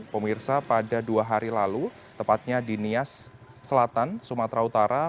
pemirsa pada dua hari lalu tepatnya di nias selatan sumatera utara